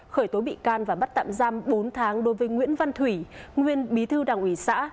khởi tố bị can và bắt tạm giam bốn tháng đối với nguyễn văn thủy nguyên bí thư đảng ủy xã